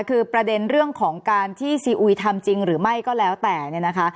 คือประเด็นเรื่องของการที่ซีอุยทำจริงหรือไม่ก็แล้วแต่เนี่ยนะคะ